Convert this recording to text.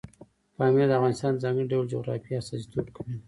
پامیر د افغانستان د ځانګړي ډول جغرافیې استازیتوب کوي.